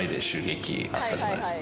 あったじゃないですか。